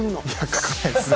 書かないですね